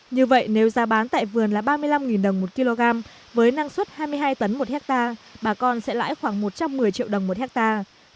như vậy nếu giá bán tại vườn là ba mươi năm đồng một kg với năng suất hai mươi hai tấn một hectare bà con sẽ lãi khoảng một trăm một mươi triệu đồng một hectare